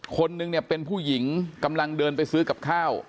คนนึงเนี่ยเป็นผู้หญิงกำลังเดินไปซื้อกับข้าว